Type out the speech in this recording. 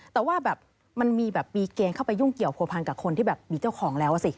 แต่ว่ามันมีเกณฑ์เข้าไปยุ่งเกี่ยวโผพันกับคนที่มีเจ้าของแล้วสิ